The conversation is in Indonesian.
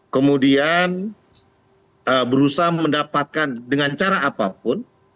kemudian berusaha mendapatkan dengan cara apapun